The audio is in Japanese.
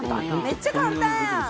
めっちゃ簡単やん！